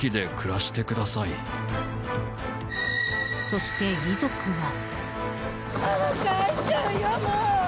そして、遺族は。